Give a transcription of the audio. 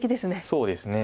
そうですね。